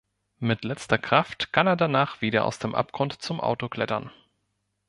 Mit letzter Kraft kann er danach wieder aus dem Abgrund zum Auto klettern.